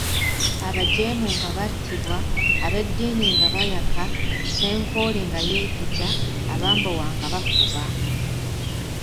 "Abajeemu nga battibwa, ab’eddiini nga baayaka, Ssenkoole nga yeekeja, abambowa nga bafuba!"